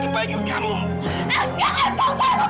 ibu ibu kenapa bu